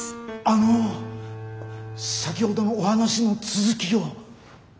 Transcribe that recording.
あの先ほどのお話の続きを。